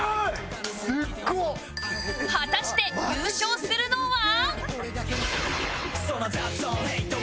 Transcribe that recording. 果たして優勝するのは？